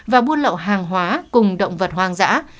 và buôn lậu hàng hóa cùng động vật hoang dã